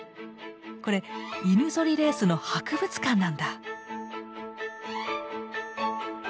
これ犬ぞりレースの博物館なんだ。